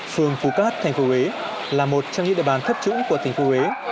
phường phú cát tp huế là một trong những địa bàn thấp trũng của tp huế